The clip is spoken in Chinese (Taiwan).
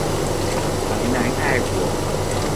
台南愛我